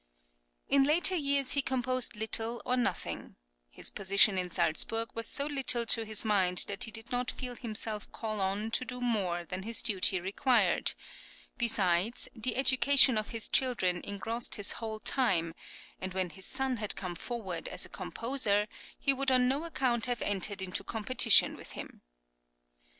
In later years he composed little or nothing; his position in Salzburg was so little to his mind that he did not feel himself called on to do more than his duty required; besides, the education of his children engrossed his whole time, and when his son had come forward as a composer, he would on no account have entered into competition with him.